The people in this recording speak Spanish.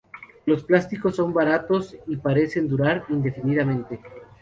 Los plásticos son baratos y parecen durar indefinidamente.